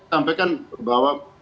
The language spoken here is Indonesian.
saya sampaikan bahwa